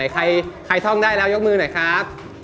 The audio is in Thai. ใครท่องได้แล้วยกมือหน่อยครับ